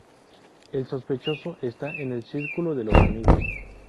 El sospechoso está en ese círculo de los amigos.